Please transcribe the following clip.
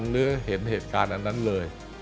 หรือเห็นเหตุการณ์อันนั้นเลย